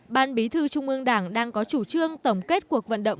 ban bí thư trung ương đảng đang có chủ trương tổng kết cuộc vận động